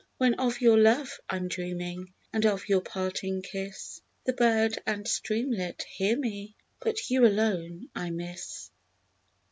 When of your love Fm dreaming, And of your parting kiss, The bird and streamlet hear me, But you alone I miss.